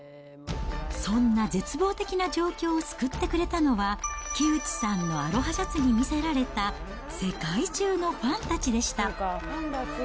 そんな絶望的な状況を救ってくれたのは、木内さんのアロハシャツに魅せられた世界中のファンたちでした。